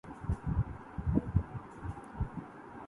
اُس کے تمام احکام ہم اِنھی سے اخذ کرتے ہیں